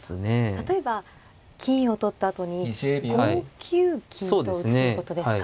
例えば金を取ったあとに５九金と打つということですか。